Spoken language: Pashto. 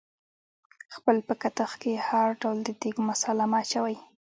خپل په کتغ کې هر ډول د دیګ مثاله مه اچوئ